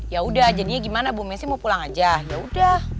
yaudah jadinya gimana ibu messi mau pulang aja yaudah